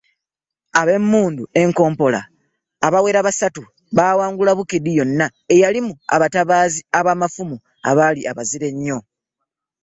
Ab'emmundu enkompola abawera bisatu baawangula Bukedi yonna eyalimu abatabaazi ab'amafumu abaali abazira ennyo.